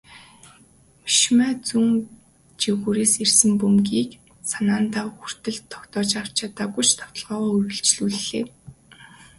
Мемушай зүүн жигүүрээс ирсэн бөмбөгийг санаандаа хүртэл тогтоож авч чадаагүй ч довтолгоогоо үргэлжлүүллээ.